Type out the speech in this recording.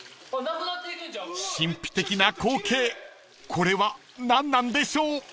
［神秘的な光景これは何なんでしょう］